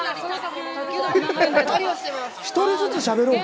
１人ずつしゃべろうか。